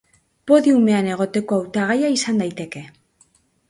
Podiumean egoteko hautagaia izan daiteke.